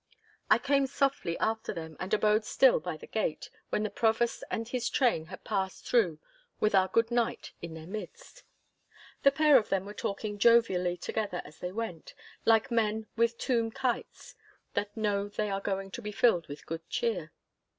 I came softly after them, and abode still by the gate when the Provost and his train had passed through with our good knight in their midst. The pair of them were talking jovially together as they went, like men with toom kytes that know they are going in to be filled with good cheer.